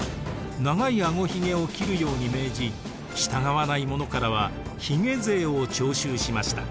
長いあごひげを切るように命じ従わない者からは「ひげ税」を徴収しました。